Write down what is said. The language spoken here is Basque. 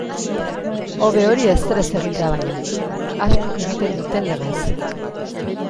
Hobe hori ezer ez egitea baino, askok egiten duten legez.